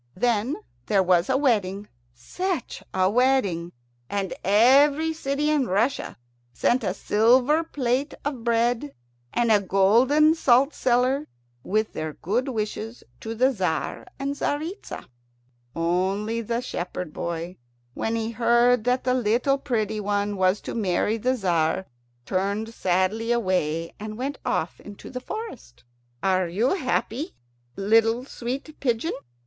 Then there was a wedding such a wedding! and every city in Russia sent a silver plate of bread, and a golden salt cellar, with their good wishes to the Tzar and Tzaritza. Only the shepherd boy, when he heard that the little pretty one was to marry the Tzar, turned sadly away and went off into the forest. "Are you happy, little sweet pigeon?"